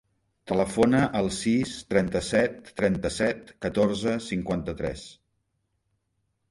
Telefona al sis, trenta-set, trenta-set, catorze, cinquanta-tres.